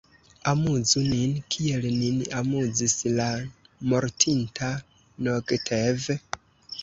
Amuzu nin, kiel nin amuzis la mortinta Nogtev!